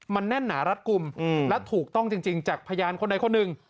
มันแน่นหนารัดกลุ่มและถูกต้องจริงจากพยานคนใดคนหนึ่ง